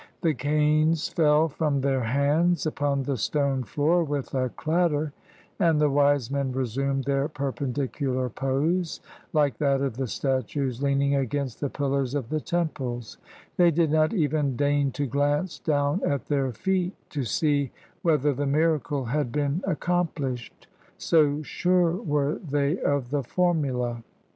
The canes fell from their hands upon the stone floor with a clatter, and the wise men resumed their perpen dicular pose, Hke that of the statues leaning against the pillars of the temples ; they did not even deign to glance down at their feet to see whether the miracle had been accomplished, so sure were they of the formula.